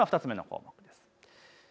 ２つ目の項目です。